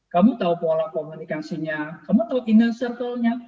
kamu tahu pola komunikasinya kamu tahu inner circle nya